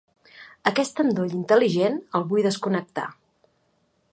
Aquest endoll intel·ligent el vull desconnectar.